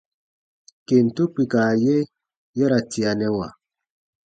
Kentu kpika ye ya ra tianɛwa.